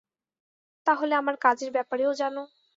তাহলে আমার কাজের ব্যাপারেও জান।